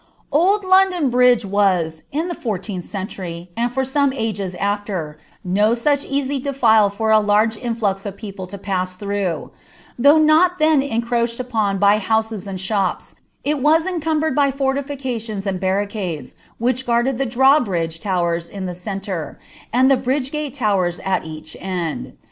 Old London Bridge was, in the fourteenth century, and for some ages •Tier, no such easy defile for a large inHux of people to pass through : ibtKiffh no[ dien encroached upon by houses and shops, u was encum bered by for tilicai ions and barricades, which guarded the draw bridge lowers in the centre, and the bridgp gaie towers at each end.